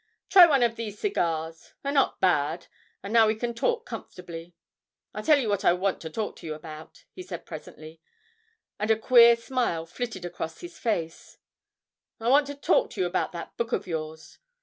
'Try one of these cigars they're not bad; and now we can talk comfortably. I tell you what I want to talk about,' he said presently, and a queer smile flitted across his face; 'I want to talk about that book of yours.